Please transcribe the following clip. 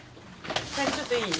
楓ちょっといい？